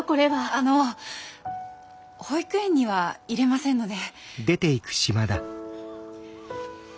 あの保育園には入れませんので。